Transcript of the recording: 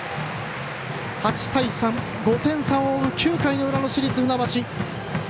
８対３、５点差を追う９回の裏の市立船橋。